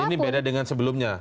ini beda dengan sebelumnya